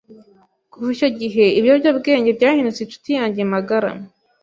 kuva icyo gihe ibiyobyabwenge byahindutse inshuti yanjye magara